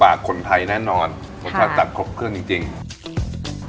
ปากขนไทยแน่นอนเพราะจะจัดครบเครื่องจริงจริง